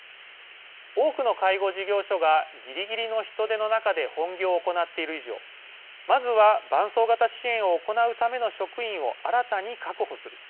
多くの介護事業所がぎりぎりの人手の中で本業を行っている以上まずは伴走型支援を行うための職員を新たに確保する。